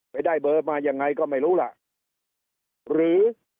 ไปได้เบอร์มายังไงก็ไม่รู้ล่ะหรือ